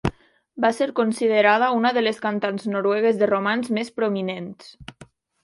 Va ser considerada una de les cantants noruegues de romanç més prominents.